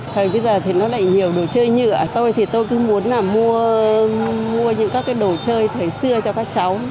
thời bây giờ thì nó lại nhiều đồ chơi nhựa tôi thì tôi cứ muốn là mua những các cái đồ chơi thời xưa cho các cháu